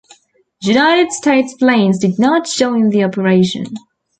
United States planes did not join the operation.